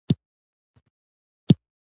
انسانانو ودانۍ او شتمنۍ پیدا کړه.